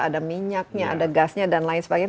ada minyaknya ada gasnya dan lain sebagainya